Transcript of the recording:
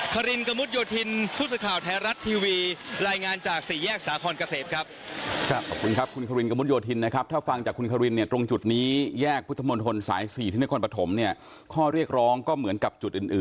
คารินกระมุดโยธินผู้สื่อข่าวไทยรัฐทีวีรายงานจากสี่แยกสาคอนเกษตรครับ